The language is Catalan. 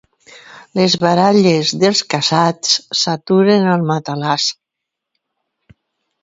Les baralles dels casats s'aturen al matalàs.